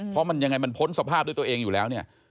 เพราะมันยังไงมันพ้นสภาพด้วยตัวเองอยู่แล้วเนี่ย